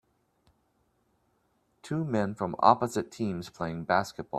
Two men from opposite teams playing basketball.